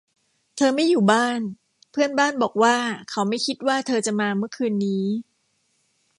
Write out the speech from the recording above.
เธอไม่อยู่บ้านเพื่อนบ้านบอกว่าเขาไม่คิดว่าเธอจะมาเมื่อคืนนี้